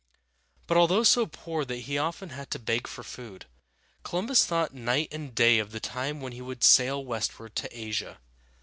But although so poor that he often had to beg food, Columbus thought night and day of the time when he would sail westward to Asia.